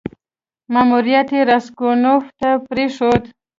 ماموریت یې راسګونوف ته پرېښود.